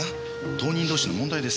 当人同士の問題です。